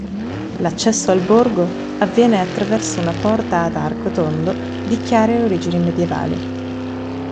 L'accesso al borgo avviene attraverso una porta ad arco tondo di chiare origini medievali.